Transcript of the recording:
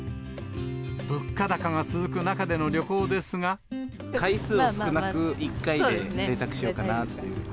物価高が続く中での旅行です回数を少なく、一回でぜいたくしようかなっていう。